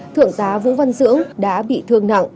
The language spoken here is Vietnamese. thượng tá vũ văn dưỡng đã bị thương nặng